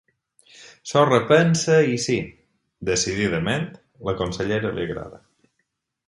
S'ho repensa i sí, decididament, la consellera li agrada.